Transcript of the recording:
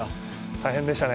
大変でしたね。